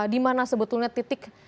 dimana sebetulnya titik